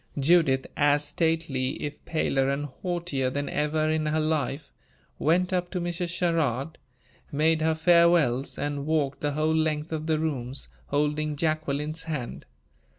Judith, as stately, if paler and haughtier than ever in her life, went up to Mrs. Sherrard, made her farewells, and walked the whole length of the rooms, holding Jacqueline's hand.